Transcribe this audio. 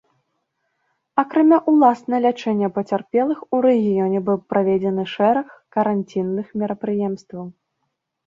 Акрамя ўласна лячэння пацярпелых, у рэгіёне быў праведзены шэраг каранцінных мерапрыемстваў.